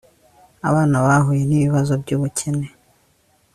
abana bahuye n ibibazo by ubukene